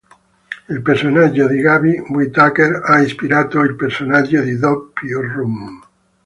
Il personaggio di Gabby Whitaker ha ispirato il personaggio di Doppio Rhum.